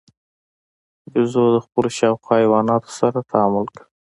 بیزو د خپلو شاوخوا حیواناتو سره تعامل کوي.